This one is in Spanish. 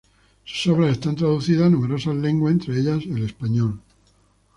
Sus obras están traducidas a numerosas lenguas, entre ellas el español.